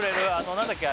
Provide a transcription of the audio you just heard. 何だっけ？